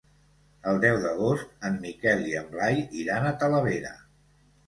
El deu d'agost en Miquel i en Blai iran a Talavera.